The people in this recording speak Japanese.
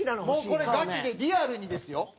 もうこれガチでリアルにですよ。